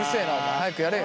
早くやれよ。